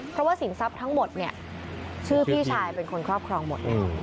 เพราะว่าสินทรัพย์ทั้งหมดเนี่ยชื่อพี่ชายเป็นคนครอบครองหมดเลย